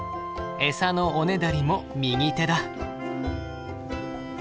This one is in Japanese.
エサのおねだりも右手だ。